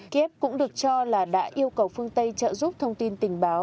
kiev cũng được cho là đã yêu cầu phương tây trợ giúp thông tin tình báo